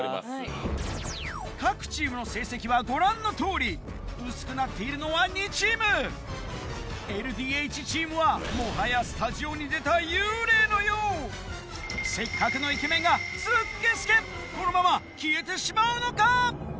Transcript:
各チームの成績はご覧のとおりうすくなっているのは２チームＬＤＨチームはもはやスタジオに出た幽霊のようこのまま消えてしまうのか？